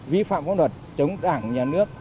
vi phạm phong luật chống đảng nhà nước